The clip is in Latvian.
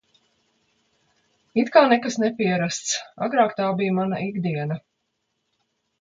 It kā nekas nepierasts, agrāk tā bija mana ikdiena.